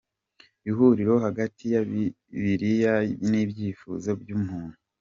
Ihuriro hagati ya Bibiliya n’ibyifuzo bya muntu.